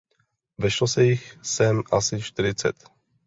Vešlo se jich sem asi čtyřicet.